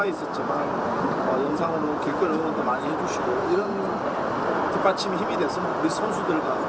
jadi ini dulu posnya akan luluskan mungkin step by step kita bisa menceritakan